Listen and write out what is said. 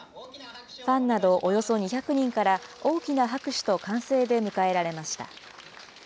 ファンなどおよそ２００人から大きな拍手と歓声で迎えられました。